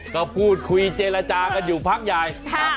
ก็พูดคุยเจรจากันอยู่พักใหญ่